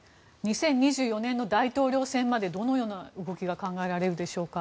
２０２４年の大統領選までどのような動きが考えられるでしょうか。